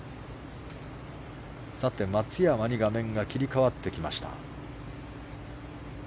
松山に画面が切り替わってきました。